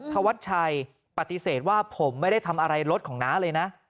ธวัชชัยปฏิเสธว่าผมไม่ได้ทำอะไรรถของน้าเลยนะ